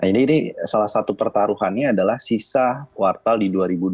nah ini salah satu pertaruhannya adalah sisa kuartal di dua ribu dua puluh